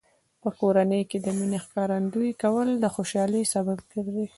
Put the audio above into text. په کورنۍ کې د مینې ښکارندوی کول د خوشحالۍ سبب ګرځي.